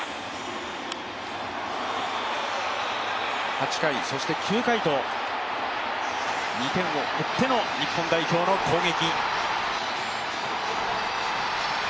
８回、９回と２点を追っての日本代表の攻撃。